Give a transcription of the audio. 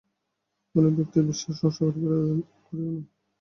কোন ব্যক্তির বিশ্বাস নষ্ট করিবার চেষ্টা করিও না।